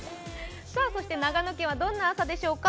長野県はどんな朝でしょうか。